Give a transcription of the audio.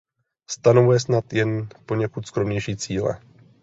Stanovuje snad jen poněkud skromnější cíle.